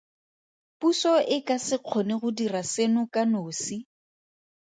Puso e ka se kgone go dira seno ka nosi.